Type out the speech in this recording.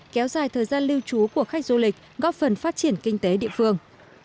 kéo dài thời gian lưu trú của khách du lịch góp phần phát triển kinh tế địa phương